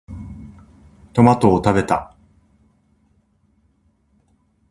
トマトを食べた。